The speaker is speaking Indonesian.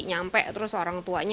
nyampe terus orang tuanya